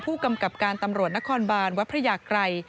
ผู้กำกับการตำรวจนครบานวัดพระยากรัย